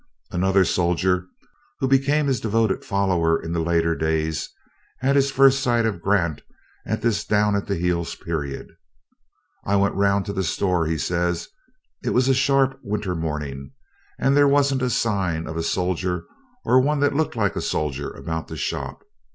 Another soldier, who became his devoted follower in the later days, had his first sight of Grant at this down at the heels period. "I went round to the store," he says; "it was a sharp winter morning, and there wasn't a sign of a soldier or one that looked like a soldier about the shop.